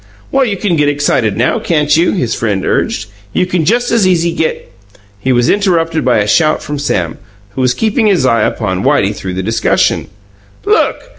"Well, you can get excited now, can't you?" his friend urged. "You can just as easy get " He was interrupted by a shout from Sam, who was keeping his eye upon Whitey throughout the discussion. "Look!